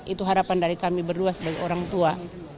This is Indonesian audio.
itu harapan dari kami berdua sebagai orang tua